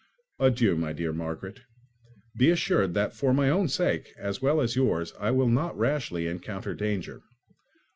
Adieu, my dear Margaret. Be assured that for my own sake, as well as yours, I will not rashly encounter danger.